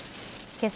けさ